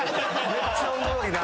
めっちゃおもろいな。